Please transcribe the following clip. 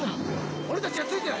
俺たちがついてる！